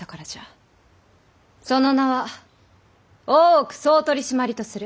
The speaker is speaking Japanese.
その名は大奥総取締とする。